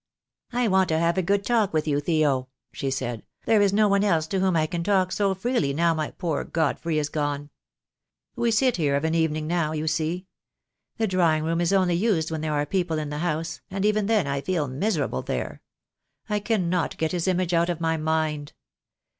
"I want to have a good talk with you, Theo," she said; "there is no one else to whom I can talk so freely now my poor Godfrey is gone. We sit here of an even ing, now, you see. The drawing room is only used when there are people in the house, and even then I feel miserable there. I cannot get his image out of my mind.